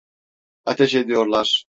Ateş ediyorlar!